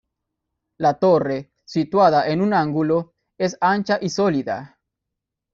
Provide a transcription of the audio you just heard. La torre, situada en un ángulo, es ancha y sólida.